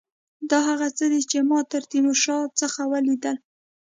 دا هغه څه دي چې ما له تیمورشاه څخه ولیدل.